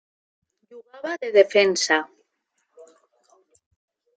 Jugava de defensa.